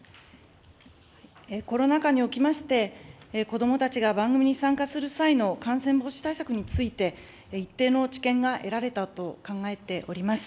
コロナ禍におきまして、子どもたちが番組に参加する際の感染防止対策について、一定の知見が得られたと考えております。